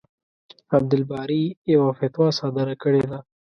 عبدالباري يوه فتوا صادره کړې ده.